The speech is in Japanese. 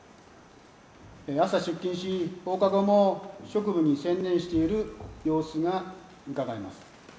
朝出勤し、放課後も職務に専念している様子がうかがえます。